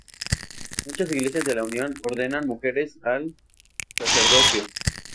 Muchas Iglesias de la Unión ordenan mujeres al sacerdocio.